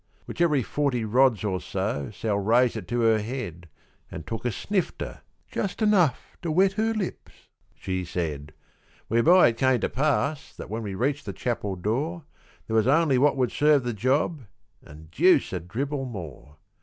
Which every forty rods or so Sal raised it to her head, An' took a snifter, "just enough to wet her lips," she said; Whereby it came to pass that when we reached the chapel door, There was only what would serve the job, an' deuce a dribble more.